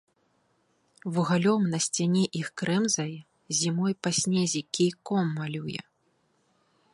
Вугалем на сцяне іх крэмзае, зімой па снезе кійком малюе.